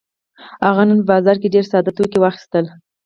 هغه نن په بازار کې ډېر ساده توکي واخيستل.